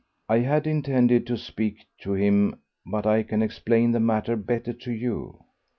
I had intended to speak to him, but I can explain the matter better to you....